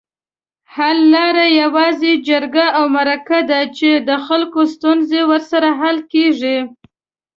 حل لاره یوازې جرګې اومرکي دي چي دخلګوستونزې ورسره حل کیږي